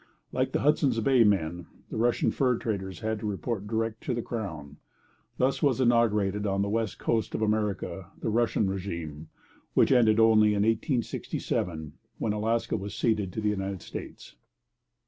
Like the Hudson's Bay men, the Russian fur traders had to report direct to the crown. Thus was inaugurated on the west coast of America the Russian régime, which ended only in 1867, when Alaska was ceded to the United States.